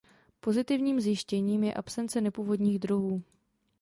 Pozitivním zjištěním je absence nepůvodních druhů.